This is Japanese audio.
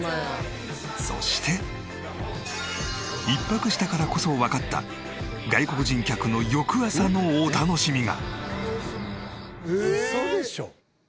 そして１泊したからこそわかった外国人客の翌朝のお楽しみが。